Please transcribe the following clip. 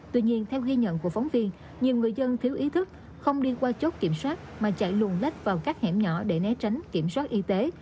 tuy nhiên theo ghi nhận của phóng viên nhiều người dân thiếu ý thức không đi qua chốt kiểm soát mà chạy luồn lách vào các hẻm nhỏ để né tránh kiểm soát y tế